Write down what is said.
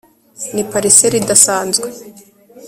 ni parcelle idasanzwe